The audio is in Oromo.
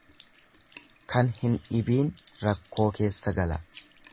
Kan hin dhibiin rakkoo keessa gala.